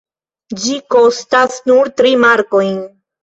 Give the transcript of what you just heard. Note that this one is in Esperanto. Ĝi kostas nur tri markojn.